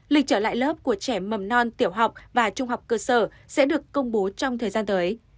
lịch trở lại lớp của trẻ mầm non tiểu học và trung học cơ sở sẽ được công bố trong thời gian tới